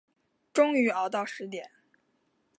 终于熬到十点